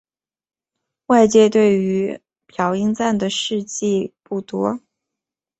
外界对于朴英赞的事迹不多。